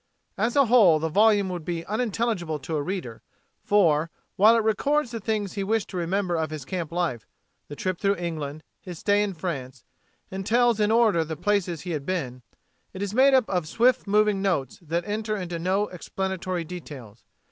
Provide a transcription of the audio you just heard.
As a whole, the volume would be unintelligible to a reader, for while it records the things he wished to remember of his camp life, the trip through England, his stay in France, and tells in order the "places he had been," it is made up of swift moving notes that enter into no explanatory details.